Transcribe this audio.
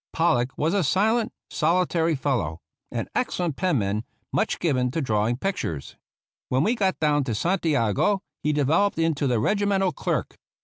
Pollock was a silent, solitary fellow — an excellent pen man, much given to drawing pictures. When we got down to Santiago he developed into the regimental clerk.